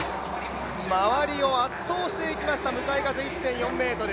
周りを圧倒していきました向かい風１．４ｍ。